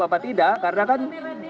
apa tidak karena kan